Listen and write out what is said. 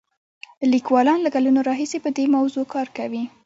لیکوالان له کلونو راهیسې په دې موضوع کار کوي.